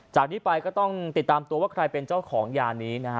จากนี้ไปก็ต้องติดตามตัวว่าใครเป็นเจ้าของยานี้นะฮะ